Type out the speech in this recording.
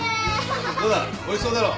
どうだおいしそうだろ。